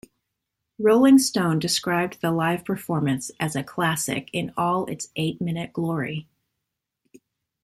"Rolling Stone" described the live performance as "a classic in all its eight-minute glory".